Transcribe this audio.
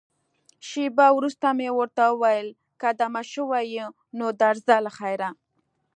شېبه وروسته مې ورته وویل، که دمه شوې یې، نو درځه له خیره.